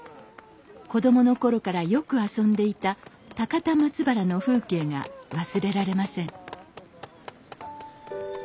子供の頃からよく遊んでいた高田松原の風景が忘れられません。